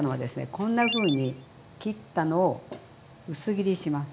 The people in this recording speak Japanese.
こんなふうに切ったのを薄切りします。